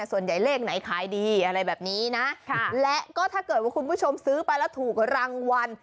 เลขไหนขายดีอะไรแบบนี้นะและก็ถ้าเกิดว่าคุณผู้ชมซื้อไปแล้วถูกรางวัล